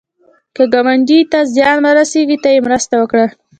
که ګاونډي ته زیان ورسېږي، ته یې مرسته وکړه